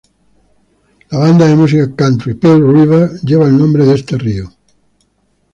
La banda de música country "Pearl River" lleva el nombre de este río.